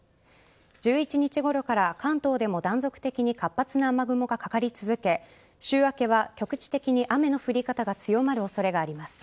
１１日ごろから、関東でも断続的に活発な雨雲がかかり続け週明けは局地的に雨の降り方が強まる恐れがあります。